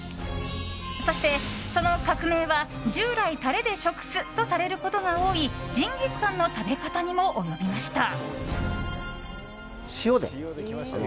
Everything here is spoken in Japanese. そしてその革命は、従来タレで食すとされることが多いジンギスカンの食べ方にも及びました。